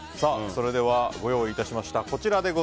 それではご用意いたしました。